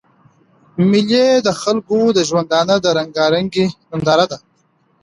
مېلې د خلکو د ژوندانه د رنګارنګۍ ننداره ده.